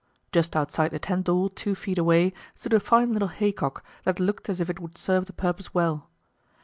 Just outside the tent door, two feet away, stood a fine little haycock, that looked as if it would serve the purpose well.